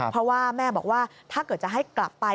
เพราะว่าแม่บอกว่าถ้าเกิดจะให้กลับไป